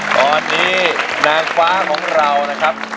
ตอนนี้นางฟ้าของเรานะครับ